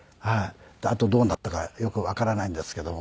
あとどうなったかよくわからないんですけど。